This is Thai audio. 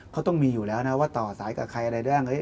เขาต้องมีอยู่แล้วนะว่าต่อสายกับใครอะไรได้บ้าง